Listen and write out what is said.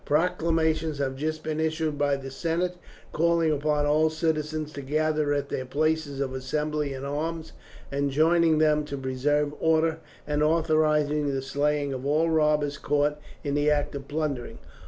Proclamations have just been issued by the senate calling upon all citizens to gather at their places of assembly in arms, enjoining them to preserve order, and authorizing the slaying of all robbers caught in the act of plundering.